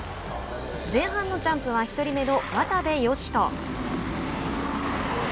前半のジャンプは１人目の渡部善斗。